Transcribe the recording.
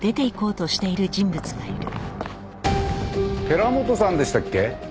寺本さんでしたっけ？